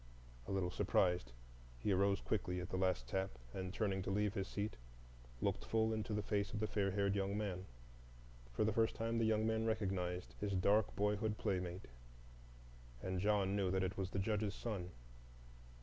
A little surprised, he arose quickly at the last tap, and, turning to leave his seat, looked full into the face of the fair haired young man. For the first time the young man recognized his dark boyhood playmate, and John knew that it was the Judge's son.